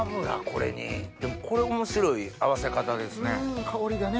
これ面白い合わせ方ですね。